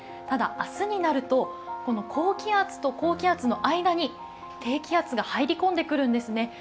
ただ、明日になると、この高気圧と高気圧の間に低気圧が入り込んでくるんですね。